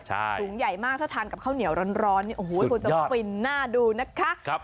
ถุงใหญ่มากถ้าทานกับข้าวเหนียวร้อนเนี่ยโอ้โหควรจะฟินหน้าดูนะคะ